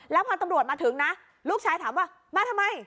แล้วพอตำรวจมาถึงนะลูกชายถามว่ามาทำไม